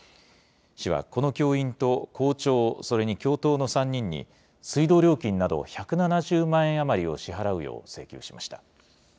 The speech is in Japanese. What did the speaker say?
市は、この教員と校長、それに教頭の３人に、水道料金など１７０万円余りを支払うよう請求しました。